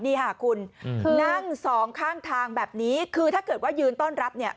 นี่ค่ะคุณนั่งสองข้างทางแบบนี้คือถ้าเกิดว่ายืนต้อนรับเนี่ย